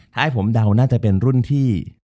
ถ้าให้ผมเดาน่าจะเป็นรุ่นที่